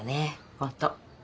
本当。